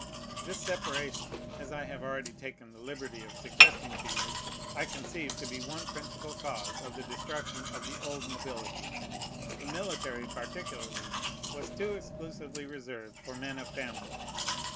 This separation, as I have already taken the liberty of suggesting to you, I conceive to be one principal cause of the destruction of the old nobility. The military, particularly, was too exclusively reserved for men of family.